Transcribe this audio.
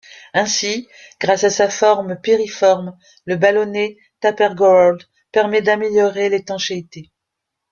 Ainsi, grâce à sa forme piriforme, le ballonnet TaperGuard permet d'améliorer l'étanchéité.